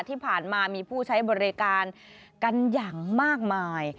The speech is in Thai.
ที่ผ่านมามีผู้ใช้บริการกันอย่างมากมาย